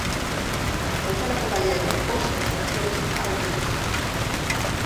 Gonzalo Caballero, hoxe, na súa visita a Ourense.